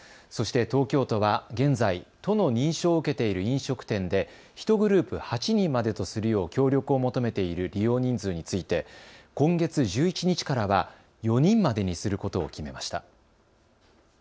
そして東京都は現在、都の認証を受けている飲食店で１グループ８人までとするよう協力を求めている利用人数について今月１１日からは４人までにすることを決めました。